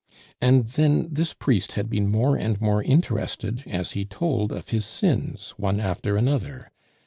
And then this priest had been more and more interested as he told of his sins one after another.